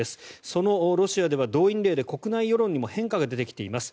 そのロシアでは動員令で国内世論にも変化が出てきています。